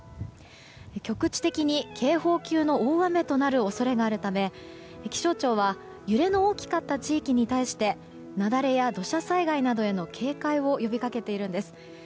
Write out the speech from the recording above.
局地的に警報級の大雨となる恐れがあるため気象庁は揺れの大きかった地域に対して雪崩や土砂災害などへの警戒を呼び掛けているんです。